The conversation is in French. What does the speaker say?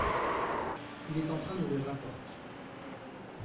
Il est en train d’ouvrir la porte…